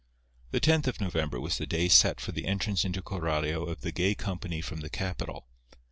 The tenth of November was the day set for the entrance into Coralio of the gay company from the capital.